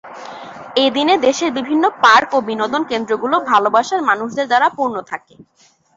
এ দিনে দেশের বিভিন্ন পার্ক ও বিনোদন কেন্দ্রগুলো ভালোবাসার মানুষদের দ্বারা পূর্ণ থাকে।